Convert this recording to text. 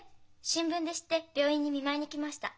新聞で知って病院に見舞いに来ました。